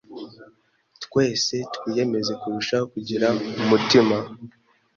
Twese twiyemeze kurushaho kugira umutima